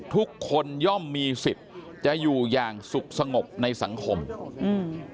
ทุกคนย่อมมีสิทธิ์จะอยู่อย่างสุขสงบในสังคมอืม